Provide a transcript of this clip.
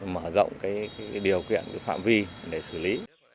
mở rộng điều kiện khoảng vi để xử lý